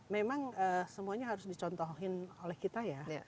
memang semuanya harus dicontohin oleh kita ya